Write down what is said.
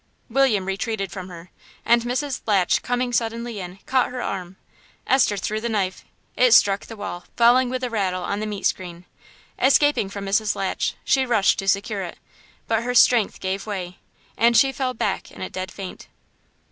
William retreated from her, and Mrs. Latch, coming suddenly in, caught her arm. Esther threw the knife; it struck the wall, falling with a rattle on the meat screen. Escaping from Mrs. Latch, she rushed to secure it, but her strength gave way, and she fell back in a dead faint.